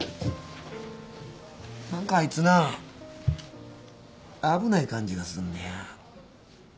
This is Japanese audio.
何かあいつな危ない感じがすんのや。